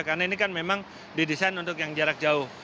karena ini kan memang didesain untuk yang jarak jauh